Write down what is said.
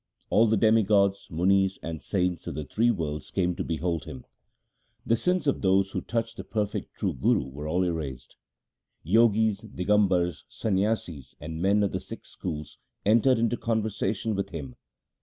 All the demigods, munis, and saints of the three worlds came to behold him. The sins of those who touched the perfect true Guru were all erased. Jogis, Digambars, Sanyasis, and men of the six schools entered into conversation with him.